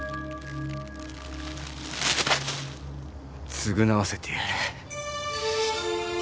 償わせてやる。